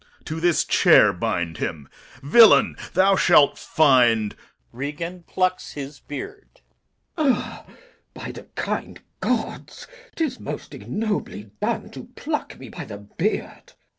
To this chair bind him. Villain, thou shalt find [Regan plucks his beard.] Glou. By the kind gods, 'tis most ignobly done To pluck me by the beard.